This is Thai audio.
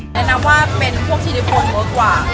จะนับว่าเป็นพวกทีลิฟต์คนเมื่อกว่า